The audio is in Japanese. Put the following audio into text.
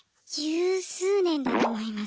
１０数年だと思います。